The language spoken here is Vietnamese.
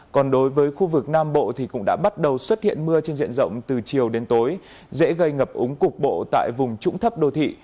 còn đối với khu vực nam bộ thì cũng đã bắt đầu xuất hiện mưa trên diện rộng từ chiều đến tối dễ gây ngập úng cục bộ tại vùng trũng thấp đô thị